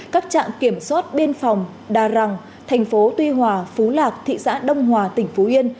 các trạm kiểm soát biên phòng đà răng thành phố tuy hòa phú lạc thị xã đông hòa tỉnh phú yên